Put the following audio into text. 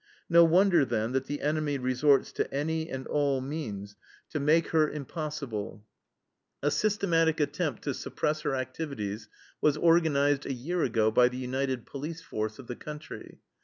No wonder, then, that the enemy resorts to any and all means to make her impossible. A systematic attempt to suppress her activities was organized a year ago by the united police force of the country.